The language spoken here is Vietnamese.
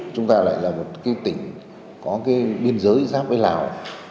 chúng ta lại là một cái tỉnh có cái biên giới giáp với lào